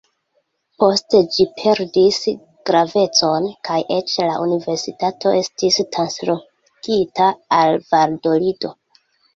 Poste ĝi perdis gravecon, kaj eĉ la universitato estis translokita al Valadolido.